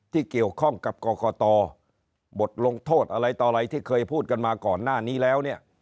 ที่เกี่ยวข้องกับกรกตบทลงโทษอะไรต่ออะไรที่เคยพูดกันมาก่อนหน้านี้แล้วเนี่ย